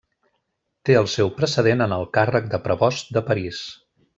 Té el seu precedent en el càrrec de prebost de París.